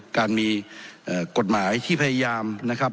การมีกฎหมายที่พยายามนะครับ